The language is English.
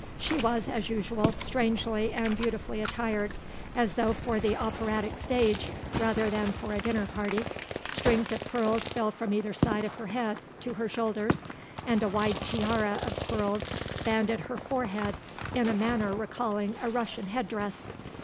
She was, as usual, strangely and beautifully attired, as though for the operatic stage rather than for a dinner party. Strings of pearls fell from either side of her head to her shoulders and a wide tiara of pearls banded her forehead in a manner recalling a Russian head dress.